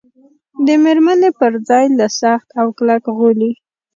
د مېرمنې پر ځای له سخت او کلک غولي.